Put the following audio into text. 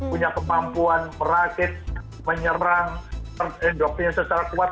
punya kemampuan merakit menyerang endoknya secara kuat